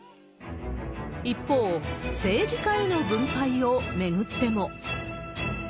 一方、政治家への分配を巡っても。